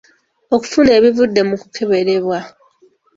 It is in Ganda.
Okufuna ebivudde mu kukeberebwa.